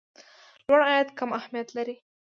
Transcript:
لوړ عاید کم اهميت لري.